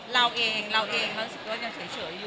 เราเองเราเองรถยังเฉยอยู่อะไรอย่างเงี้ย